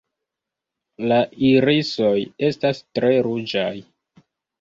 La irisoj estas tre ruĝaj.